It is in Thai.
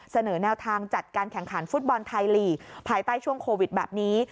เสนอแนวทางจัดการแข่งขันฟุตบอลไทยลีกภายใต้ช่วงโควิดแบบนี้